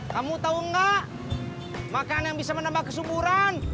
kamu tau nggak makanan yang bisa menambah kesuburan